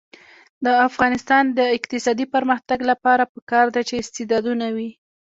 د افغانستان د اقتصادي پرمختګ لپاره پکار ده چې استعدادونه وي.